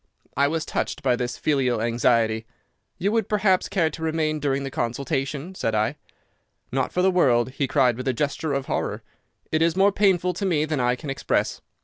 "I was touched by this filial anxiety. 'You would, perhaps, care to remain during the consultation?' said I. "'Not for the world,' he cried with a gesture of horror. 'It is more painful to me than I can express.